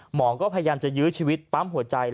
หมอก็พยายามจะยื้อชีวิตปั๊มหัวใจ